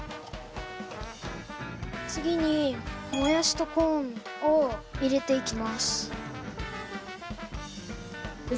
次にもやしとコーンを入れていきます。